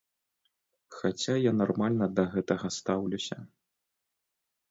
Хаця я нармальна да гэтага стаўлюся.